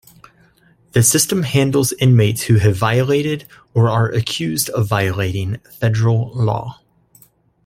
The system handles inmates who have violated, or are accused of violating, federal law.